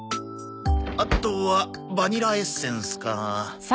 あとはバニラエッセンスか。